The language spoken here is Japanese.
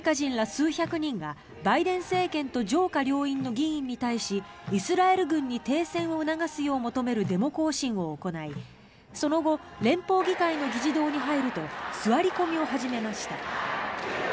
数百人がバイデン政権と上下両院の議員に対しイスラエル軍に停戦を促すよう求めるデモ行進を行いその後連邦議会の議事堂に入ると座り込みを始めました。